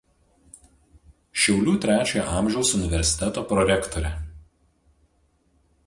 Šiaulių trečiojo amžiaus universiteto prorektorė.